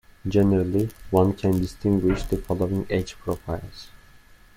Generally, one can distinguish the following age profiles.